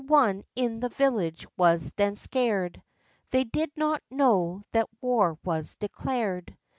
Every one in the village was then scared ; They did not know that war was declared.